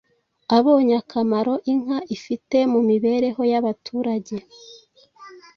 abonye akamaro inka ifite mu mibereho y’abaturage